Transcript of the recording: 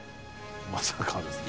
まさかですね。